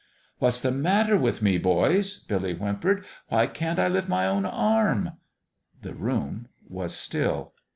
"What's the matter with me, boys?" Billy whimpered. " Why can't I lift my own arm?" The room was still.